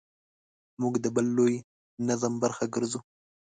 موږ د بل لوی نظم برخه ګرځو.